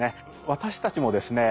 私たちもですね